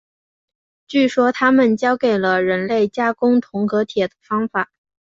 据说他们教给了人类加工铜和铁的方法。